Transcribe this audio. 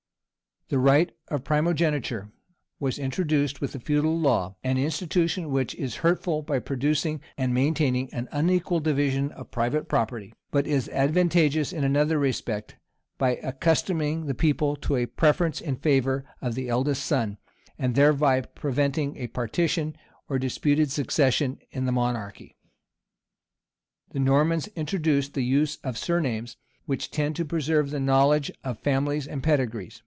[] The right of primogeniture was introduced with the feudal law; an institution which is hurtful by producing and maintaining an unequal division of private propeny; but is advantageous in another respect, by accustoming the people to a preference in favor of the eldest son, and thereby preventing a partition or disputed succession in the monarchy. The Normans introduced the use of surnames, which tend to preserve the knowledge of families and pedigrees.